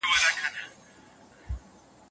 تېر وخت د سبق اخیستلو لپاره دی.